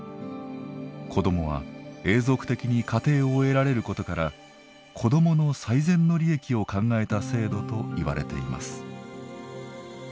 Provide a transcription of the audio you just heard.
子どもは永続的に家庭を得られることから「子どもの最善の利益」を考えた制度といわれています。